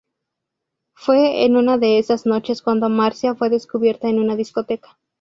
Fue en una de esas noches cuando Marcia fue descubierta en una discoteca.